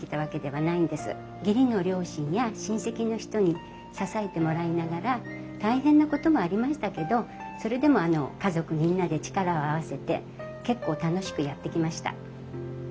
義理の両親や親戚の人に支えてもらいながら大変なこともありましたけどそれでも家族みんなで力を合わせて結構楽しくやってきました。